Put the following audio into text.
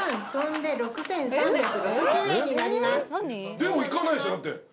でもいかないでしょだって。